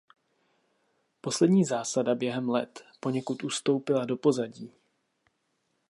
Poslední zásada během let poněkud ustoupila do pozadí.